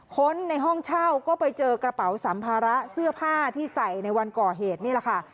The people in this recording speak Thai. คนในห้องเช่าก็ไปเจอกระเป๋าสัมภาระเสื้อผ้าที่ใส่ในวันก่อเหตุนี่แหละค่ะ